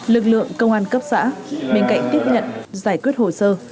lực lượng công an cấp xã bên cạnh tiếp nhận giải quyết hồ sơ